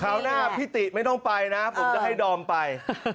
หน้าพี่ติไม่ต้องไปนะผมจะให้ดอมไป